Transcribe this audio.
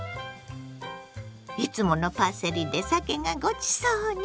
いつものパセリでさけがごちそうに。